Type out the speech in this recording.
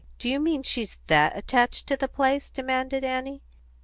"Do you mean that she's attached to the place?" demanded Annie.